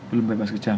belum bebas kejang